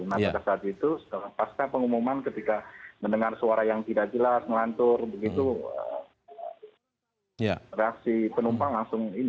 nah pada saat itu setelah pengumuman ketika mendengar suara yang tidak jelas melantur begitu reaksi penumpang langsung ini